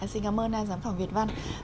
xin cảm ơn giám khảo việt văn